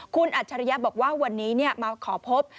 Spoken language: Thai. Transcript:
คุณอัจฉริยะบอกว่าวันนี้มาขอพบ